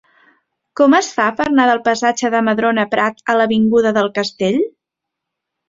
Com es fa per anar del passatge de Madrona Prat a l'avinguda del Castell?